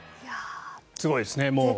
すごいですね。